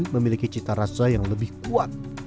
memiliki cita rasa yang lebih kuat